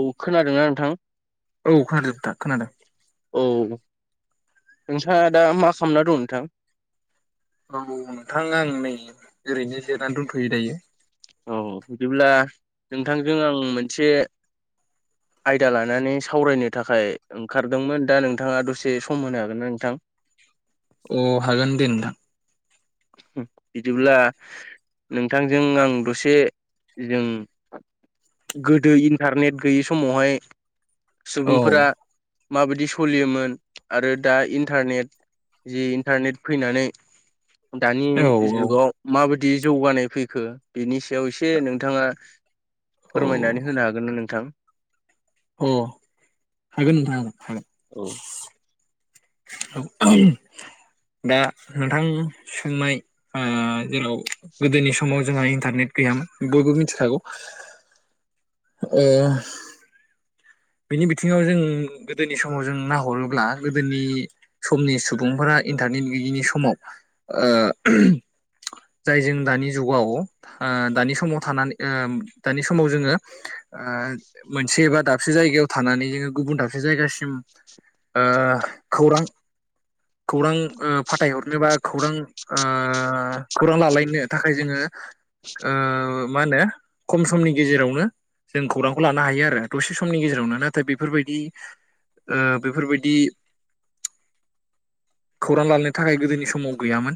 औ खोनादों आं थां औ खोनादों नोंथां खोनादों औ नोंथाङा दा मा खामना दं नोंथां? औ नोंथां आं नै ओरैनो जिरायनानै दोंथयो दायो औ बिदिब्ला नोंथांजों आं मोनसे आयदा लानानै सावरायनो थाखाय ओंखारदोंमोन दा नोंथाङा दसे सम होनो हागोन ना नोंथां? अ हागोन दे नोंथां बिदिब्ला नोंथांजों आं दसे जों गोदो इन्टारनेट गैयै समावहाय औ सुबुंफोरा माबायदि सोलियोमोन आरो दा इन्टारनेट जि इन्टारनेट फैनानै दानि औ जुगाव माबा दि जौगानाय फैखो बिनि सायाव इसे नोंथांङा फोरमायनानै औ होनो हागोन ना नोंथां? अ हागोन नोंथांङ हागोन औ औ दा नोंथां सोंनाय ओ जेराव गोदोनि समाव जोंहा इन्टारनेट गैयामोन बयबो मिथिखागौ ओ। बिनि बिथिङाव जों गोदोनि समाव जों नाहरोब्ला गोदोनि समनि सुबुंफोरा इन्टारनेट गैयिनि समाव ओ जाय जों दानि जुगाव ओ दानि समाव थानानै ओ दानि समाव जोङो ओ मोनसे एबा दाब दाबसे जायगायाव थानानै जोङो गुबुन दाबसे जायगासिम ओ खौरां खौरां फाथायहरनो बा खौरां खौरां लालायनो थाखाय जोङो ओ मा होनो खम समनि गेजेरावनो जों खौरांखौ लानो हायो आरो दसे सम समनि गेजेरावनो नाथाय बेफोरबायदि बेफोरबायदि खौरां लानो थाखाय गोदोनि समाव गैयामोन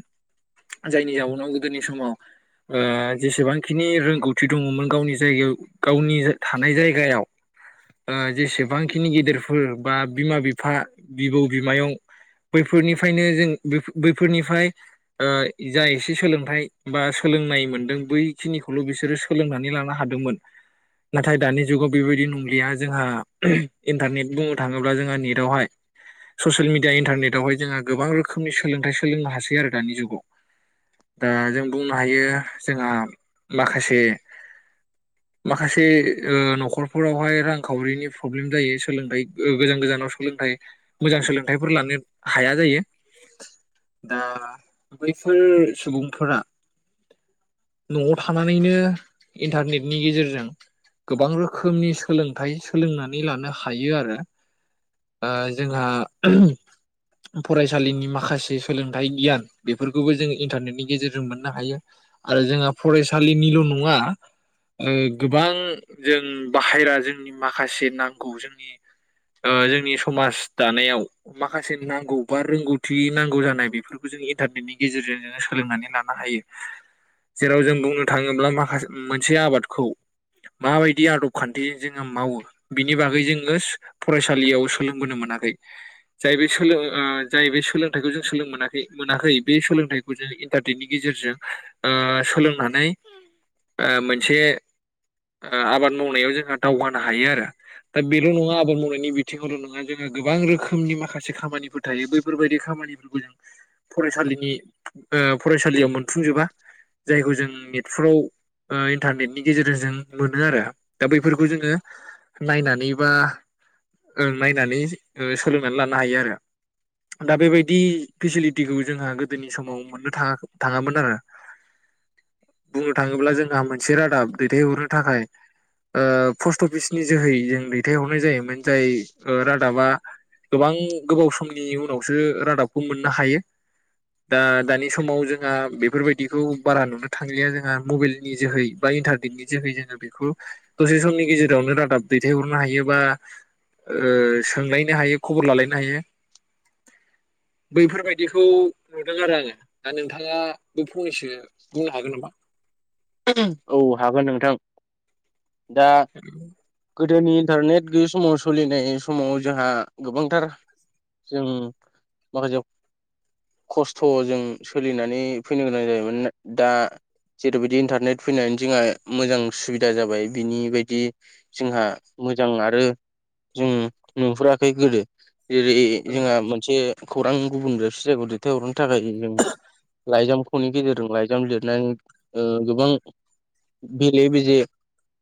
जायनि जाउनाव गोदोनि समाव ओ जेसेबांखिनि रोंगौथि दङमोन गावनि जायगायाव गावनि थानाय जायगायाव ओ जेसेबांखिनि गेदेरफोर बा बिमा बिफा बिबौ बिमायाव बैफोरनिफ्रायनो जों बैफोरनिफ्राय जा एसे सोलोंथाइ बा सोलोंनाय मोनदों बैखिनिखौल बिसोरो सोलोंनानै लानो हादोंमोन नाथाय दानि जुगाव बेबायदि नंलि या जोंहा इन्टारनेट बुंनो थाङोब्ला जोंहा नेटावहाय ससिल मिडिया इन्टारनेटावहाय जोंहा गोबां रोखोमनि सोलोंथाइ सोलोंनो हासै आरो दानि जुगाव दा जों बुंनो हायो जोंहा माखासे माखासे न'खरफोरावहाय रांखावरिनि प्रब्लेम जायो सोलोंथाइ गोजान गोजानाव सोलोंथाइ मोजां सोलोंथाइफोर लानो हाया जायो दा बैफोर सुबुंफोरा न'आव थानानैनो इन्टारनेटनि गेजेरजों गोबां रोखोमनि सोलोंथ सोलोंनानै लानो हायो आरो ओ जोंहा फरायसालिनि माखासे सोलोंथाइ गियान बेफोरखौबो जों इन्टारनेटनि गेजेरजों मोननो हायो आरो जोंहा फरायसालिनिल नङा गोबां जों बाहेरा जोंनि माखासे नांगौ जोंनि जोंनि समाज दानायाव माखासे नांगौ बा रोंगौथि नांगौ जानाय बेफोरखौ जों इन्टारनेटनि गेजेरजों जोङो सोलोंनानै लानो हायो जेराव जों बुंनो थांङोब्ला माखासे मोनसे आबादखौ माबायदि आदब खान्थि जोङो मावो बिनि बागै जोङो फरायसालियाव सोलोंबोनो मोनाखै जाय बे सोलों जाय बे सोलोंथाइखौ जों सोलोंथाइखौ मोनाखै बे सोलोंथाइखौ जों इन्टारनेटनि गेजेरजों सोलोंनानै मोनसे आबाद मावनायाव जोंहा दावगानो हायो आरो दा बेल नङा आबाद मावनायनि बिथिङावल नङा जोङो गोबां रोखोमनि माखासे खामानिफोर थायो बैफोरबायदि खामानि फराइसालिनि ओ फरायसालियाव मोनफुंजोबा जायखौ जों नेटफ्राव इन्टारनेटनि गेजेरजों मोनो आरो दा बै बेफोरखौ जोङो नायनानै बा नायनानै सोलोंनानै लानो हायो आरो दा बेबायदि फेसिलिटिखौ जोंहा गोदोनि समाव मोननो थाङ थाङामोन आरो बुंनो थांङोब्ला जोंहा मोनसे रादाब दैथायहरनो थाखाय। ओ पस्ट अफिसनि जोहै जों दैथायहरनाय जायोमोन जाय रादाबा गोबां गोबाव समनि उनावसो रादाबखौ मोननो हायो दा दानि समाव जोंहा बेफोरबायदिखौ बारा नुनो थांलिया जोंहा मबाइलनि जोहै बा इन्टारनेटनि जोहै जोङो बेखौ दसे समनि गेजेरावनो रादाब दैथायहरनो हायो बा ओ सोंलायनो हायो खबर लालायनो हायो। बैफोरबायदिखौ नुदों आरो आङो दा नोंथांङााबो फंनैसो बुंनो हागोन नामा। औ हागोन नोंथां। दा [inaudible] गोदोनि इन्टारनेट गैयै समाव सोलिनाय समाव जोंहा गोबांथार जों माखासे खस्थ जों सोलिनानै फैनो गोनां जायोमोन दा जेरैबायदि इन्टार नेट फैनानै जोंहा मोजां सुबिदा जाबाय बिनि बायदि जोंहा मोजां आरो जों नुहुराखै गोदो। जेरै औ जोंहा मोनसे खौरां गुबुन दाबसे जायगायाव दैथायहर थाखाय लाइजाम फननि गेजेरजों लाइजाम लिरनानै ओ गोबां बेले बेजे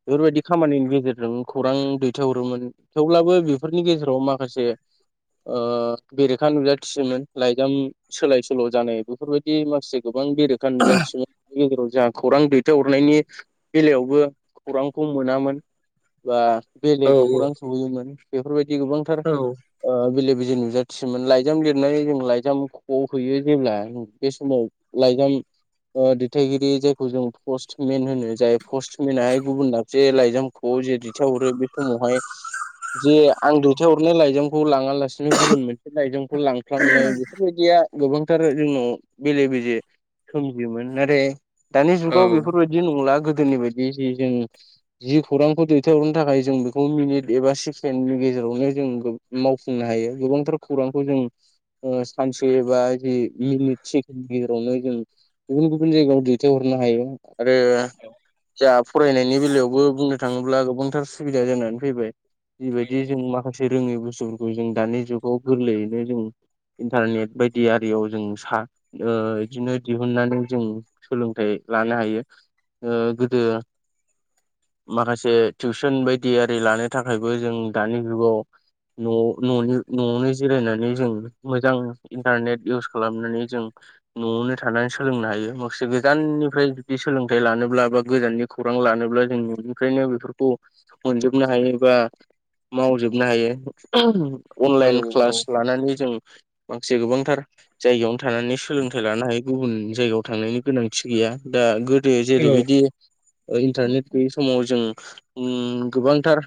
बेफोरबायदि खामानिनि गेजेरजों खौरां दैथायहरोमोन थेवब्लाबो बेफोरनि गेजेराव माखासे ओ बेरेखा नुजाथिसोमोन लाइजाम सोलाय सोल' जानाय बेफोरबायदि माखासे गोबां बेरेखा नुजाथि गेजेराव जा खौरां दै थाय हरनायनि बेलायावबो खौरांखौ मोनामोन बा औ बेलेग खौरां सहैयोमोन । बेफोरबाय गोबांथार औ ओ बेले नुजाथियोमोन लाइजाम लिरनाय जों लाइजाम ख'आव हैयो जेब्ला बे समाव लाइजाम ओ दैथायगिरि जायखौ जों पस्टमेन होनो जाय पस्टमेनाहाय गुबुन दाबसे लाइजाम ख'आव जे दैथायहरो बे समावहाय जे आं दैथायहरनाय लाइजाम खौ लाङा लासिनो गुबुन मोनसे लायजाम खौ लांफ्लांनाय बेफोरबायदिया गोबांथार जोंनाव बेले बेजे सोमजियोमोन नाथाय औ बेफोरबायदि नंला गोदोनि बायदि जि जों जि खौरांखौ दैथायहरनो थाखाय जों बेखौ मिनिट एबा सेकेणडनि गेजेरावनो जों मावफुंनो हायो गोबांथार खौरांखौ जों सानसे एबा जि मिनिट सेकेडनि गेजेरावनो जों गुबुन गुबुन जायगायाव दैथायहरनो हायो । [inaudible] आरो जा फरायनायनि बेलायावबो बुंनो थाङोब्ला गोबांथार सुबिदा जानानै फैबाय। जिबायदि जों माखासे रोङै बुस्तफोरखौ जों दानि जुगाव गोरलैयैनो जों इन्टारनेट बायदि आरियाव जों सा ओ इदिनो दिहुननानै जों सोलोंथाइ लानो हायो ओ गोदो माखासे टिउसन बायदि आरि लानो थाखायबो जों दानि जुगाव न' न'नि न'आवनो जिरायनानै जों मोजां इन्टारनेट इउस खालामनानै जों न'आवनो थानानै सोलोंनो हायो माखासे गोजाननि फ्राय जुदि सोलोंथाइ लानोब्ला बा गोजाननि खौरां लानोब्ला जों न'निफ्रायनो बेफोरखौ मोनजोबनो हायो बा मावजोबनो हायो। औ अनलाइन क्लास लानानै जों माखासे गोबांथार जायगायावनो थानानै सोलोंथाइ लानो हायो गुबुन जायगायाव थांनायनि गोनांथि गैया। दा गो औ जेरैबायदि ओ इन्टारनेट गैयै समाव जों उम गोबांथार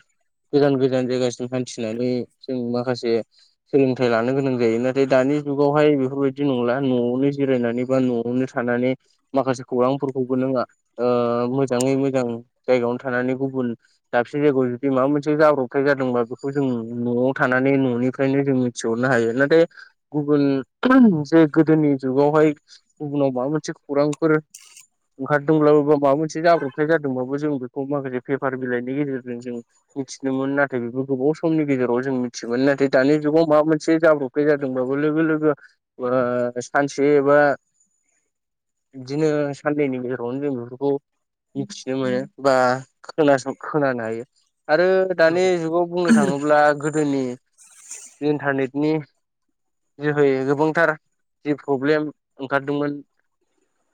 गोजान गोजान जायगासिम हान्थिनानै जों माखासे सोलोंथाइ लानो गोनां जायो नाथाय दानि जुगावहाय बेफोरबायदि नंला न'आवनो जिरायनानै बा न'आवनो थानानै माखासे खौरांफोरखौबो नोंङो ओ मोजाङै मोजां जायगायावनो थानानै गुबुन दाबसे जायगायाव जुदि माबा मोनसे जाब्रबथाय जादोंबा बेखौ जों न'आव थानानै न'निफ्रायनो जों मिथिहरनो हायो नाथाय गुबुन जे गोदोनि जुगावहाय गुबुनाव माबा मोनसे खौरांफोर ओंखारदोंब्लाबबो माबा मोनसे जाब्रबथाय जादोंबाबो जों बेखौ माखासे पेपार बिलाइनि गेजेरजों जों मिथिनोमोन नाथाय बेबो गोबाव समनि गेजेराव जों मिथियोमोन नाथाय दानि जुगाव माबा मोनसे जाब्रबथाय जादोंबाबो लोगो लोगो ओ सानसे बा इदिनो सान्नैनि गेजेरावनो जों बेफोरखौ मिथिनो मोनो बा खोनासं खोनानो हायो। आरो दानि जुगाव बुंनो थाङोब्ला गोदोनि इन्टारनेटनि जोहैैयै गोबांथार जि प्रब्लेम ओंखारदोंमोन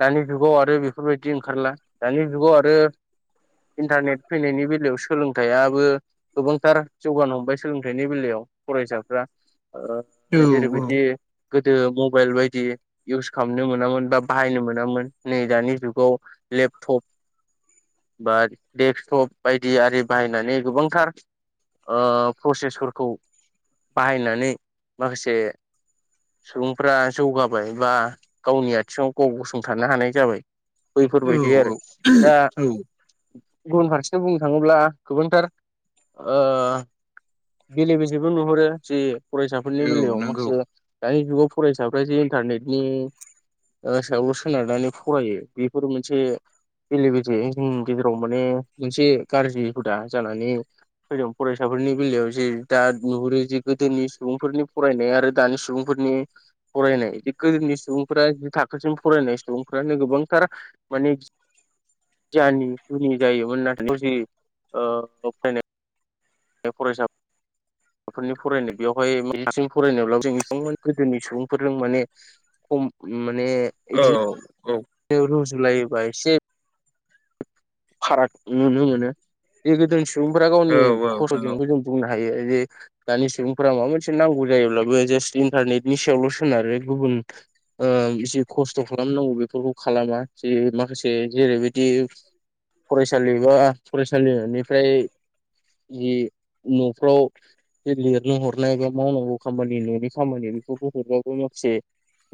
दानि जुगाव आरो बेफोरबायदि ओंखारला, दानि जुगाव आरो इन्टारनेट फैनायनि बेलायाव सोलोंथाइाबो गोबांथार जौगानो हमबाय सोलोंथाइनि बेलायाव फरायसाफ्रा। ओ औ औ जेरैबायदि गोदो मबाइल बायदि इउस खालामनो मोनामोन बा बाहायनो मोनामोन। नै दानि जुगाव लेपटप बा डेकसटप बायदि आरि बाहायनानै गोबांथार ओ प्रसेसफोरखौ बाहायनानै माखासे सुबुंफ्रा जौगाबाय बा गावनि आथिङाव गाव गसंथानो हानाय। जाबाय। औ बैफोरबायदि आरो दा औ गुबुन फारसेथि बुंनो थाङोब्ला गोबांथार ओ बेले बेजेबो नुहरो जे फरायसाफोरनि औ बेलायाव नंगौ माखासे दानि जुगाव फरायसाफ्रा जे इन्टारनेटनि ओ सायावल' सोनारनानै फरायो बेफोर मोनसे बेले बेजे जोंनि गेजेराव माने मोनसे गाज्रि हुदा जानानै फैदों। फरायसाफोरनि बेलायाव जे दा नुहुरो जे गोदोनि सुबुंफोरनि फरायनाय आरो दानि सुबुंफोरनि फरायनाय बे गोदोनि सुबुंफोरा जि थाखोसिम फरायनाय सुबुं फ्रानो गोबांथार माने गियानि गुनि जायोमोन नाथाय [unintelligible] फरायसाफोरनि फरायनाय बेवहाय [unintelligible] गोदोनि सुबुंफोरजों माने खम माने औ इदिनो औ रुजुलायोबा एसे फाराग नुनो मोनो, जे गोदोनि सुबुंफोरा औ गावनि औ नंगौ [unintelligible] जों बुंनो हायो जे दानि सुबुंफोरा माबा मोनसे नांगौ जायोब्लाबो जास्ट इन्टारनेटनि सायावल' सोनारो गुबुन ओ जि खस्थ' खालामनांगौ बेफोरखौ खालामा जे माखासे जेरैबायदि फरायसालि बा फरायसालिनिफ्राय जि न'फ्राव जि लिरनो हरनाय एबा मावनांगौ खामानि न'नि खामानि बेफोरखौ हरबाबो माखासे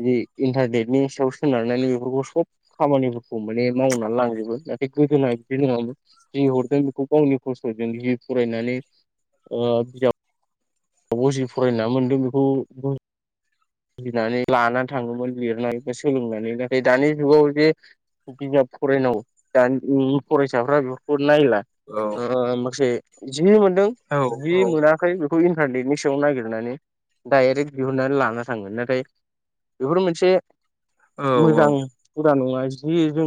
जि इन्टारनेटनि सायाव सोनारनानै बेफोरखौ सब खामानिफोरखौ माने मावनानै लांजोबो। गोदोना बिदि नोङामोन, जि हरदों बेखौ गावनि खस्थ'जों जि फरायनानै ओ बिजाब बाव जे फरायना मोन्दों बेखौ बो बुजिनानै लानानै थाङोमोन लिरनानै बा सोलोंनानै नाथाइ दानि जुगाव जे बिजाब फरायनांगौ दानि फरायसाफ्रा बेफोरखौ नायला औ ओ ओ से जि मोनदों, औ जि औ मोनाखै बे खौ इन्टारनेटनि सायाव नागिरनानै डाइरेक्ट दिहुननानै लाना थाङो नाथाय बेफोर मोनसे औ-औ फुरा नङा जि जों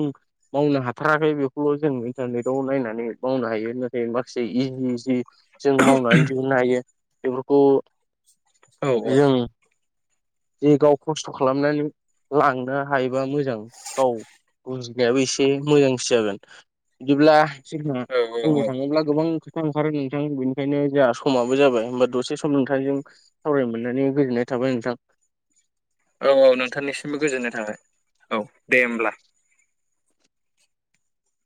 मावनो हात्राखै बेखौल' जों इन्टारनेटआव नायनानै मावनो हायो नाथाय माखासे इ-इजि जों मावनानै दिहुननो हायो बेफोरखौ औ-औ जों जे गाव खस्थ' खालामनानै लांनो हायोबा मोजां गाव बुंजिनायाबो एसे मोजांसो जागोन बिदिब्ला जोंहा औ बुंनो औ थाङोब्ला गोबां खोथा ओंखारो नोंथां बेनिखायनो जोंहा समाबो जाबाय होमबा दसे सम नोंथांजों सावरायनो मोननानै गोजोननाय थाबाय नोंथां। औ-औ नोंथांनिसिमबो गोजोननाय थाबाय। औ दे होमब्ला।